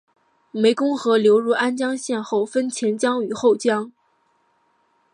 湄公河流入安江省后分前江与后江。